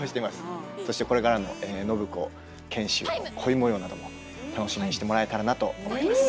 そしてこれからの暢子賢秀の恋模様なども楽しみにしてもらえたらなと思います。